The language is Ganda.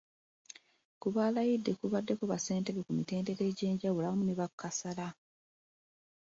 Ku balayidde ku baddeko bassentebe ku mitendera egy’enjawulo awamu ne bakkansala.